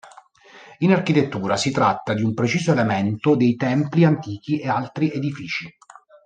In architettura si tratta di un preciso elemento dei templi antichi e altri edifici.